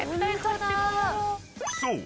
［そう。